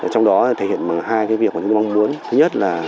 trong đó thể hiện hai việc chúng tôi mong muốn